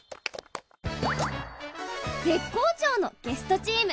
絶好調のゲストチーム。